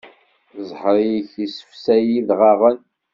Zzheṛ-ik isefsay idɣaɣen.